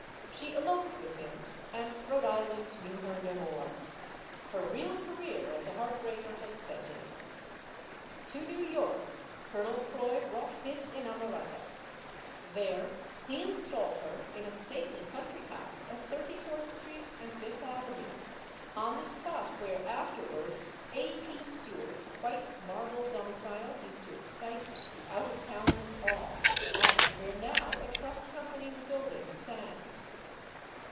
She eloped with him, and Rhode Island knew her no more. Her real career as a heart breaker had set in. To New York, Colonel Croix brought his inamorata. There he installed her in a stately country house at Thirty fourth Street and Fifth Avenue, on the spot where, afterward, A. T. Stewart's white marble domi cile used to excite the out of towners* awe, and where now a trust company's building stands.